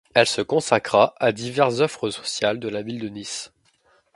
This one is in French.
Elle se consacra à diverses œuvres sociales de la ville de Nice.